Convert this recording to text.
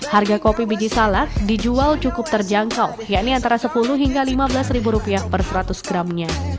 harga kopi biji salak dijual cukup terjangkau yakni antara sepuluh hingga lima belas ribu rupiah per seratus gramnya